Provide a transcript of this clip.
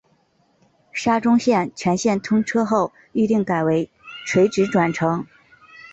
沙中线全线通车后预定改为垂直转乘。